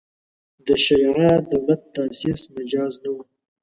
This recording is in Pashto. د شیعه دولت تاسیس مجاز نه وو.